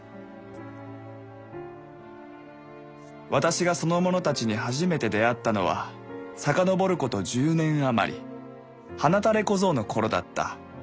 「私がその者たちに初めて出会ったのは遡ること１０年余りはなたれ小僧の頃だった。